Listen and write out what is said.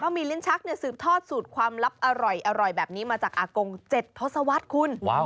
มีลิ้นชักสืบทอดสูตรความลับอร่อยแบบนี้มาจากอากง๗ทศวรรษคุณ